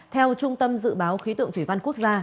theo trung tâm dự báo khí tượng thủy văn quốc gia